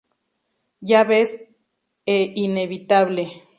Ya ves e Inevitable.